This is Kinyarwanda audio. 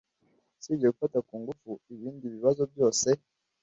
Usibye gufata ku ngufu ibindi bibazo byose